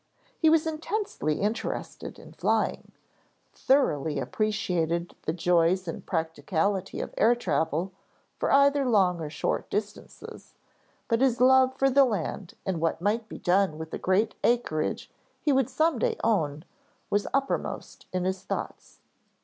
He was intensely interested in flying, thoroughly appreciated the joys and practicality of air travel for either long or short distances, but his love for the land and what might be done with the great acreage he would some day own, was uppermost in his thoughts.